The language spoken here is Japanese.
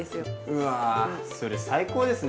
うわそれ最高ですね。